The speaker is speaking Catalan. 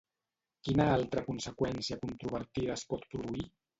Quina altra conseqüència controvertida es pot produir?